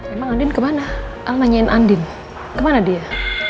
emang andin kemana emang nanyain andin kemana dia